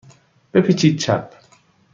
بپیچید چپ.